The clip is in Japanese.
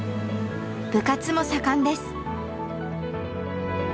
部活も盛んです。